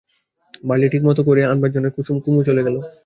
Barley ঠিকমত তৈরি করে আনবার জন্যে কুমু চলে গেল।